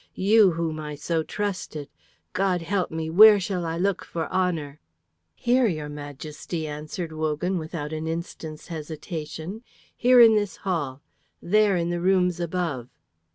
"You whom I so trusted! God help me, where shall I look for honour?" "Here, your Majesty," answered Wogan, without an instant's hesitation, "here, in this hall. There, in the rooms above."